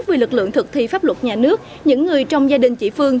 về lực lượng thực thi pháp luật nhà nước những người trong gia đình chị phương